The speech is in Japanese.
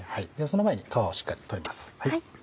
その前に皮をしっかり取ります。